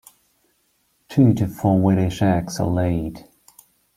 Two to four whitish eggs are laid.